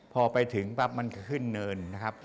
พอไปถึงปั๊บมันก็ขึ้นเนินนะครับ